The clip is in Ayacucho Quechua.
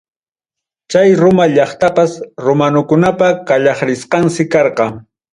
Chay Roma llaqtapas romanukunapa qallaqrisqansi karqa.